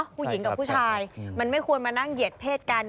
อาวุธสุดท้ายมันไม่ควรมานั่งเหย็ดเพศกัน